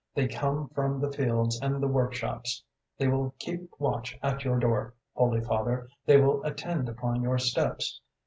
They come from the fields and the workshops; they will keep watch at your door, Holy Father, they will attend upon your steps.